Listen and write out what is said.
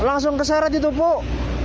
langsung kesehat itu puh